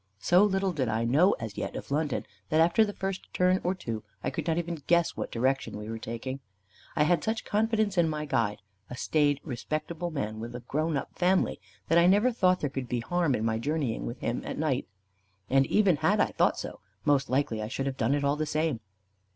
So little did I know as yet of London, that after the first turn or two, I could not even guess what direction we were taking. I had such confidence in my guide, a staid respectable man with a grown up family, that I never thought there could be harm in my journeying with him at night. And even had I thought so, most likely I should have done it all the same.